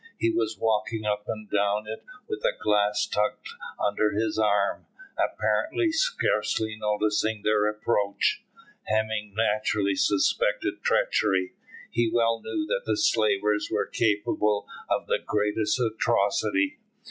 He was walking up and down it with a glass tucked under his arm, apparently scarcely noticing their approach. Hemming naturally suspected treachery. He well knew that the slavers were capable of the greatest atrocity.